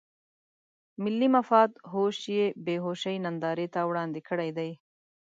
د ملي مفاد هوش یې بې هوشۍ نندارې ته وړاندې کړی دی.